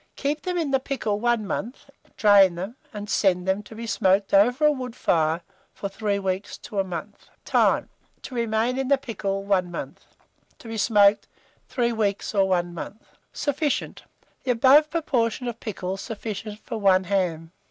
Keep them in the pickle 1 month, drain them, and send them to be smoked over a wood fire for 3 weeks or a month. Time. To remain in the pickle 1 month. To be smoked 3 weeks or 1 month. Sufficient. The above proportion of pickle sufficient for 1 ham.